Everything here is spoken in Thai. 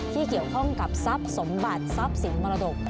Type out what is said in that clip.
ที่เกี่ยวข้องกับทรัพย์สมบัติทรัพย์สินมรดก